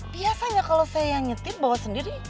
biasanya kalau saya yang nyetir bawa sendiri